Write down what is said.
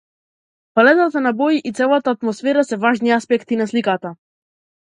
Палетата на бои и целата атмосфера се важни аспекти на сликата.